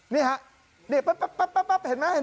นี่ครับปั๊บเห็นไหม